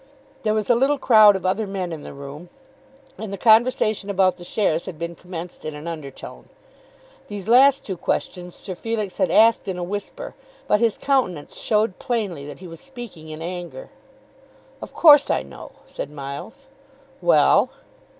There was a little crowd of other men in the room, and the conversation about the shares had been commenced in an under tone. These two last questions Sir Felix had asked in a whisper, but his countenance showed plainly that he was speaking in anger. "Of course I know," said Miles. "Well?"